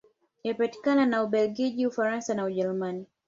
Imepakana na Ubelgiji, Ufaransa na Ujerumani.